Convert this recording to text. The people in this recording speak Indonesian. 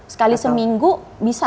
sekali seminggu bisa